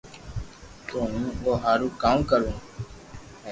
تو ھون او ھارو ڪاو ھي